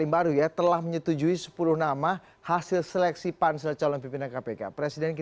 baru bertemu dengan presiden